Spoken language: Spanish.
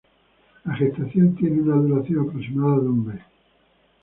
La gestación tiene una duración aproximada de un mes.